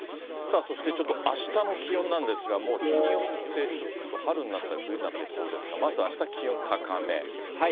そしてちょっと、あしたの気温なんですが、もう日によって、ちょっと春になったり冬になったりしそうですが、まずあした気温高め。